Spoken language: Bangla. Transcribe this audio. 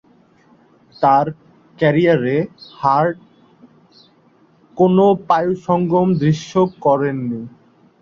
তার ক্যারিয়ারে, হার্ট কোনও পায়ুসঙ্গম দৃশ্য করেননি।